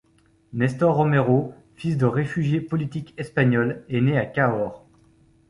Nestor Romero, fils de réfugiés politiques espagnols, est né à Cahors.